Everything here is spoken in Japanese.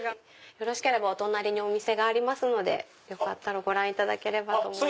よろしければお隣にお店がありますのでご覧いただければと思います。